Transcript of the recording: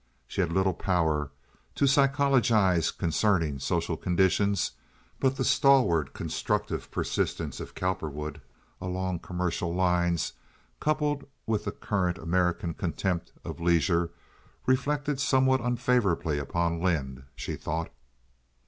She had little power to psychologize concerning social conditions, but the stalwart constructive persistence of Cowperwood along commercial lines coupled with the current American contempt of leisure reflected somewhat unfavorably upon Lynde, she thought.